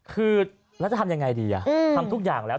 คือแล้วจะทำยังไงดีทำทุกอย่างแล้ว